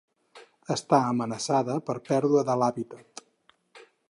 Està amenaçada per pèrdua de l'hàbitat.